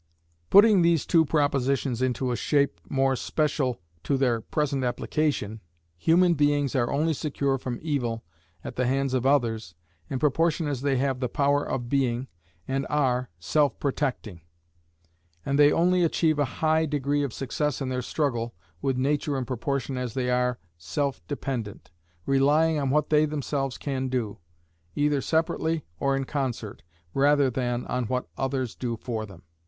Putting these two propositions into a shape more special to their present application human beings are only secure from evil at the hands of others in proportion as they have the power of being, and are, self protecting; and they only achieve a high degree of success in their struggle with Nature in proportion as they are self dependent, relying on what they themselves can do, either separately or in concert, rather than on what others do for them.